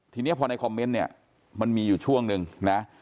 ทีนี้พอในคอมเมนต์เนี่ยมันมีอยู่ช่วงหนึ่งนะ